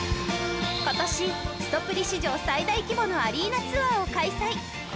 今年、すとぷり史上最大規模のアリーナツアーを開催。